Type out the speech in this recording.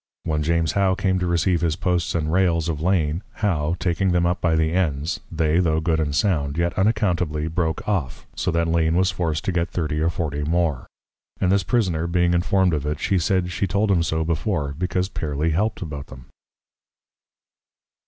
When James How came to receive his Posts and Rails of Lane, How taking them up by the Ends, they, tho' good and sound, yet unaccountably broke off, so that Lane was forced to get thirty or forty more. And this Prisoner being informed of it, she said, She told him so before, because Pearly helped about them.